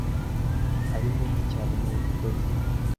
Ari mubi cyane mu mvugo ye.